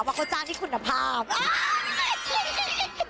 ว่าเขาจ้างที่คุณภาพ